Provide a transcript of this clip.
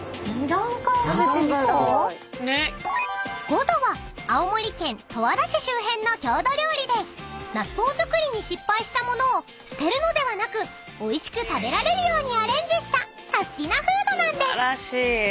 ［ごどは青森県十和田市周辺の郷土料理で納豆作りに失敗した物を捨てるのではなくおいしく食べられるようにアレンジしたサスティなフードなんです］